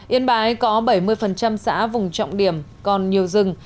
yên bái có bảy mươi xã vùng trọng điểm còn nhiều rừng